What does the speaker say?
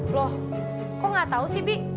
loh kok gak tau sih bi